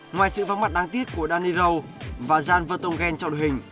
ngoài sự vắng mặt đáng tiếc của daniel rowe và jan vertonghen trọng hình